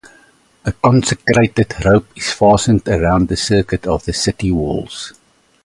A consecrated rope is fastened around the circuit of the city walls.